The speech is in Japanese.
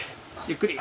ゆっくり。